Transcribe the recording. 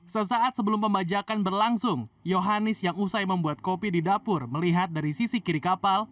sesaat sebelum pembajakan berlangsung yohanis yang usai membuat kopi di dapur melihat dari sisi kiri kapal